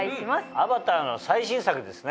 『アバター』の最新作ですね。